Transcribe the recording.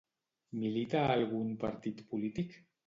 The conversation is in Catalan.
Milita a algun partit polític?